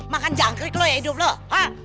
makan jangkrik lo ya hidup lo hah